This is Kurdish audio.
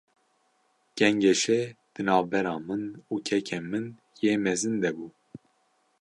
Gengeşe, di navbera min û kekê min yê mezin de bû